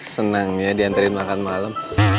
senangnya diantarin makan malam